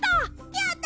やった！